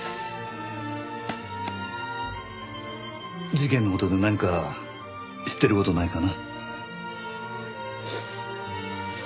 事件の事で何か知ってる事ないかな？